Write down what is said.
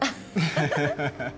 ハハハハ。